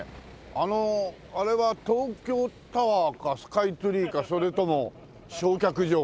あのあれは東京タワーかスカイツリーかそれとも焼却場か。